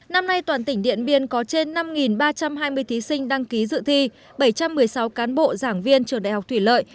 năm nay toàn tỉnh điện biên có trên năm ba trăm hai mươi thí sinh đăng ký dự thi bảy trăm một mươi sáu cán bộ giảng viên trường đại học thủy lợi